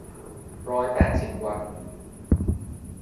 ร้อยแปดสิบวัน